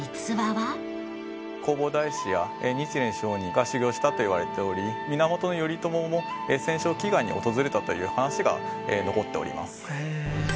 弘法大師や日蓮聖人が修行したといわれており源頼朝も戦勝祈願に訪れたという話が残っております。